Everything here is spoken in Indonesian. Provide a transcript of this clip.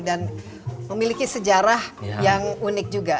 dan memiliki sejarah yang unik juga